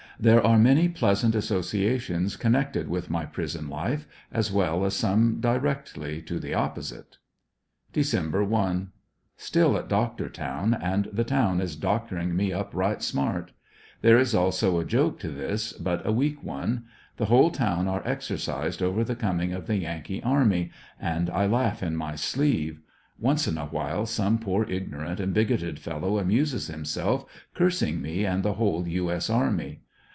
There are many pleasant associations connected with my prison life, as well as some directly to the opposite. Dec. 1. — Still at Doctortown, and the town is doctoring me up * 'right smart," There is also a joke to this, but a weak one. The whole town are exercised over the coming of the Yankee army, and I laugh in my sleeve. Once in a while some poor ignorant and bigoted fellow amuses himself cursing me and the whole U, S. army.